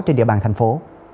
trên địa bàn thành phố